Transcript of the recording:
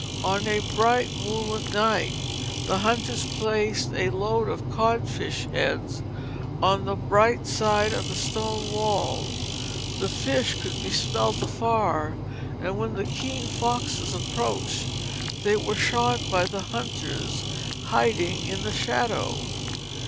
On a bright moonlight night the hunters placed a load of codfish heads on the bright side of a stone wall. The fish could be smelt afar, and when the keen foxes approached they were shot by the hunters, hiding in the shadow.